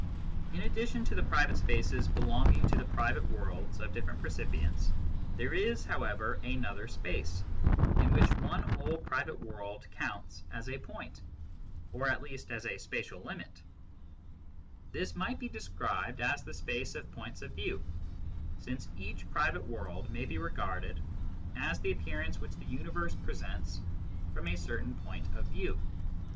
In addition to the private spaces belonging to the private worlds of different percipients, there is, however, another space, in which one whole private world counts as a. point, or at least as a spatial unit. This might be r6o MYSTICISM AND LOGIC described as the space of points oi view, since each private world may be regarded as the appearance which the universe presents from a certain point of view.